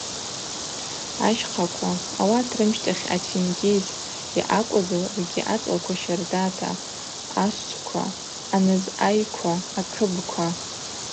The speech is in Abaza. Ащхъаква, ауат рымщтахь атенгьыз, йъакӏвызлакӏгьи ацӏлаква щардата: ашвчӏвква, аназъайква, акыбква.